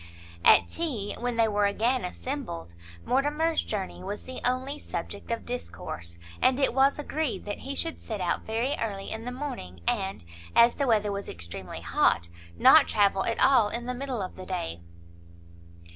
At tea, when they were again assembled, Mortimer's journey was the only subject of discourse, and it was agreed that he should set out very early in the morning, and, as the weather was extremely hot, not travel at all in the middle of the day.